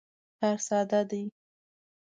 کار ساده دی.